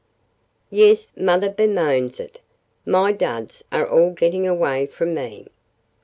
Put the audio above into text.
"Yes, mother bemoans it. My duds are all getting away from me."